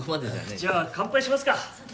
じゃあ乾杯しますか。